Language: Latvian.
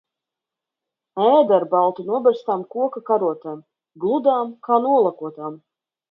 Ēda ar balti noberztām koka karotēm, gludām, kā nolakotām.